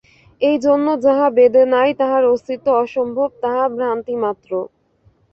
এইজন্য যাহা বেদে নাই, তাহার অস্তিত্ব অসম্ভব, তাহা ভ্রান্তিমাত্র।